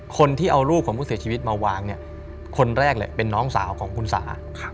คนที่เอารูปของผู้เสียชีวิตมาวางเนี่ยคนแรกเลยเป็นน้องสาวของคุณสา